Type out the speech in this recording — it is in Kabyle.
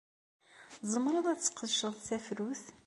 Tzemreḍ ad t-tesqedceḍ d tafrut.